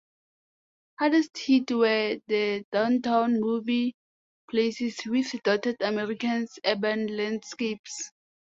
Hardest hit were the downtown movie palaces which dotted America's urban landscapes.